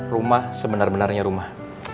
rumah sebenar benarnya rumah